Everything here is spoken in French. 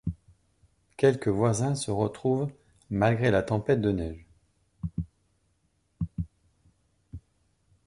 Quelques voisins se retrouvent malgré la tempête de neige.